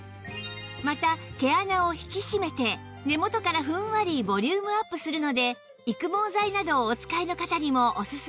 また毛穴を引き締めて根元からふんわりボリュームアップするので育毛剤などをお使いの方にもおすすめです